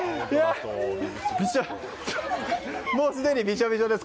すでにびしょびしょです。